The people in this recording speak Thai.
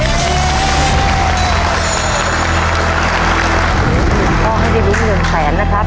ขอให้ได้ลุ้นเงินแสนนะครับ